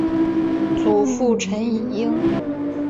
祖父陈尹英。